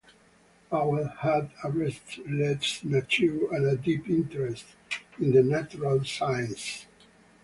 Powell had a restless nature and a deep interest in the natural sciences.